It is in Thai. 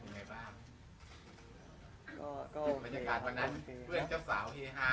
บรรยากาศตอนนั้นเพื่อนเจ้าสาวเฮฮา